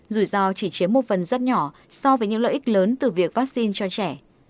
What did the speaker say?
dù do chỉ chiếm một phần rất nhỏ so với những lợi ích lớn từ việc vaccine cho trẻ